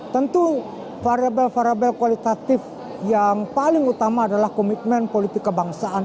tentu variable variabel kualitatif yang paling utama adalah komitmen politik kebangsaan